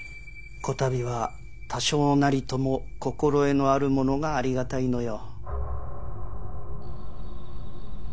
こたびは多少なりとも心得のあるものがありがたいのよ。